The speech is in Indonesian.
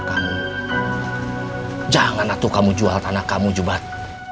kamu jangan atuh kamu jual tanah kamu jumat